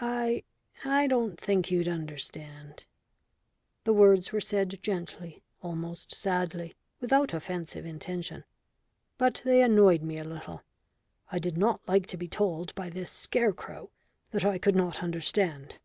I I don't think you'd understand." The words were said gently, almost sadly, without offensive intention. But they annoyed me a little I did not like to be told by this scarecrow that I could not understand.